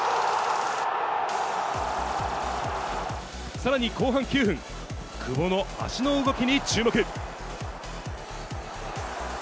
さらに後半９分、久保の足の動きに注目。